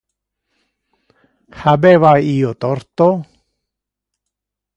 Habeva io torto?